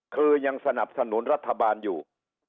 คือยังสนับสนุนรัฐบาลอยู่